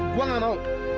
gue gak mau